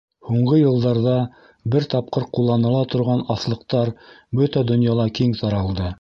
Һуңғы йылдарҙа бер тапҡыр ҡулланыла торған аҫлыҡтар бөтә донъяла киң таралды.